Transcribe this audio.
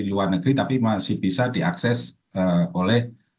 di luar negeri tapi masih bisa diakses oleh